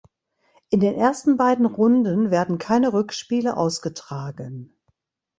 In den ersten beiden Runden werden keine Rückspiele ausgetragen.